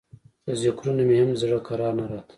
په ذکرونو مې هم د زړه کرار نه راته.